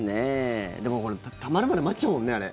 でも、たまるまで待っちゃうもんね、あれ。